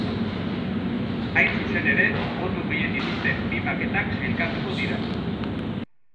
Hain zuzen ere, botu gehien dituzten bi maketak sailkatuko dira.